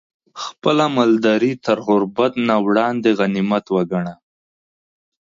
خپله مالداري تر غربت نه وړاندې غنيمت وګڼه